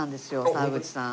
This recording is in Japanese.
沢口さん。